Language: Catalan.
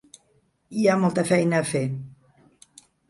Hi ha molta feina a fer.